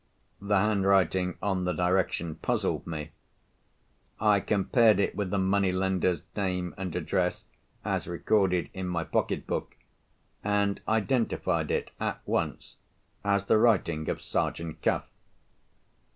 The handwriting on the direction puzzled me. I compared it with the money lender's name and address as recorded in my pocket book, and identified it at once as the writing of Sergeant Cuff.